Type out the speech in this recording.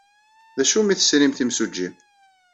D acu umi tesrimt imsujji?